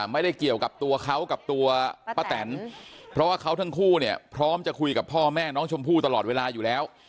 ไม่ได้เกี่ยวกับตัวเขากับตัวป้าแตนเพราะว่าเขาทั้งคู่เนี่ยพร้อมจะคุยกับพ่อแม่น้องชมพู่ตลอดเวลาอยู่แล้ว